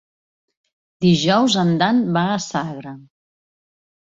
Dijous en Dan va a Sagra.